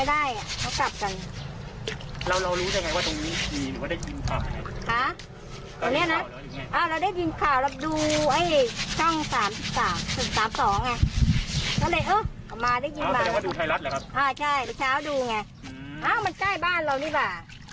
อ้าวใช่เดี๋ยวเช้าดูไงอ้าวมันใกล้บ้านเรานี่แหละ